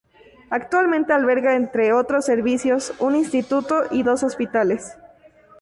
Actualmente alberga, entre otros servicios, un instituto y dos hospitales.